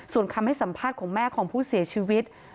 ส่วนคำให้สัมภาษณ์ของแม่ของผู้เสียชีวิต